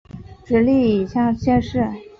直隶乙酉乡试。